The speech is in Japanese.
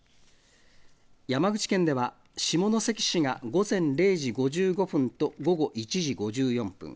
山口県では下関市が午前０時５５分と午後１時５４分。